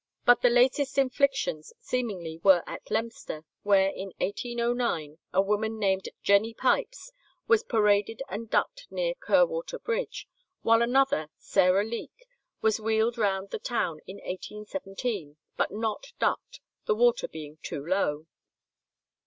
But the latest inflictions seemingly were at Leominster, where in 1809 a woman named Jenny Pipes was paraded and ducked near Kerwater Bridge, while another, Sarah Leeke, was wheeled round the town in 1817, but not ducked, the water being too low.